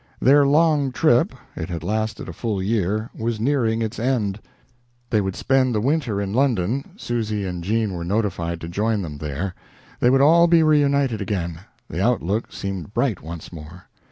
Their long trip it had lasted a full year was nearing its end. They would spend the winter in London Susy and Jean were notified to join them there. They would all be reunited again. The outlook seemed bright once more.